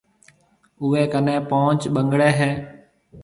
اوَي ڪنَي پونچ ٻنگڙَي هيَ۔